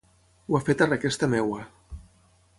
Ho ha fet a requesta meva.